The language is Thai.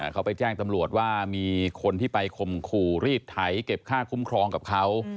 เขาไปแจ้งตำรวจว่ามีคนที่ไปข่มขู่รีดไถเก็บค่าคุ้มครองกับเขา